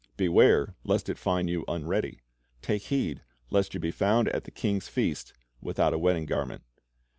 "^ Beware lest it find you iTnready. Take heed lest you be found at the King's feast without a wedding garment.